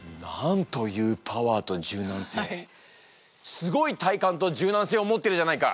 すごい体幹と柔軟性を持ってるじゃないか！